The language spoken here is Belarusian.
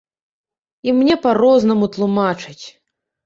І мне па-рознаму тлумачаць!